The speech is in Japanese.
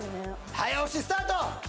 早押しスタート！